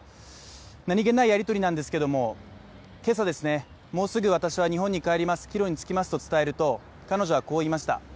何気ないやり取りなんですけれども、今朝、もうすぐ私は日本に帰ります、帰路に就きますと伝えると彼女はこう言いました。